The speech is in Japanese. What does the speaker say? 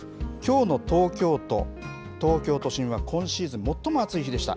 きょうの東京都、東京都心は今シーズン最も暑い日でした。